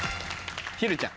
ひるちゃん。